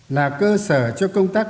là cơ sở cho công tác